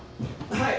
はい。